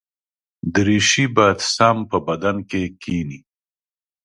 دریشي باید سم په بدن کې کېني.